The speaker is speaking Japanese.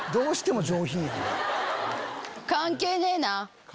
関係ねえな。